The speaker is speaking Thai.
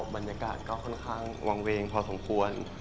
บรรยากาศก็ค่อนข้างวางเวงพอสมควร